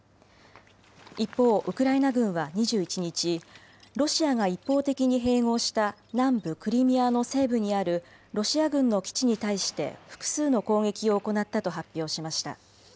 一方、ウクライナ軍は２１日、ロシアが一方的に併合した南部クリミアの西部にあるロシア軍の基地に対して、複数の攻撃を行ったと発表しました。